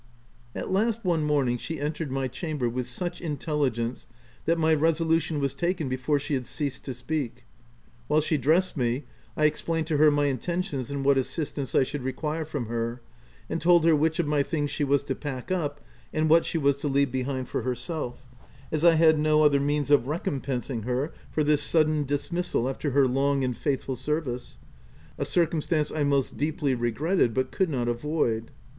At last, one morning, she entered my cham ber with such intelligence that my resolution was taken before she had ceased to speak. While she dressed me, I explained to her my intentions and what assistance I should require from her, and told her which of my things she was to pack up, and what she was to leave behind for herself, as I had no other means of recompencing her for this sudden dismissal, after her long and faithful service — a circum stance I most deeply regretted but could not avoid.